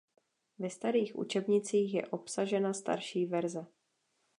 Ve starých učebnicích je obsažena „starší“ verze.